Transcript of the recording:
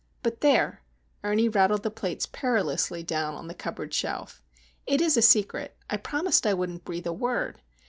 But there,"—Ernie rattled the plates perilously down on the cupboard shelf. "It's a secret. I promised I wouldn't breathe a word!